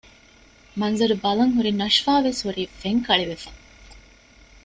މަންޒަރު ބަލަން ހުރި ނަޝްފާ ވެސް ހުރީ ފެންކަޅިވެފަ